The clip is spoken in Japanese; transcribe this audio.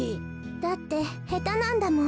だってへたなんだもん。